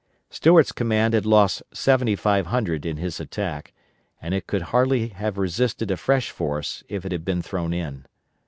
Stuart's command had lost 7,500 in his attack, and it could hardly have resisted a fresh force if it had been thrown in.